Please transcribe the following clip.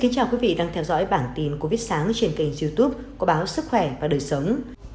chào mừng quý vị đến với bản tin covid một mươi chín trên kênh youtube của báo sức khỏe và đời sống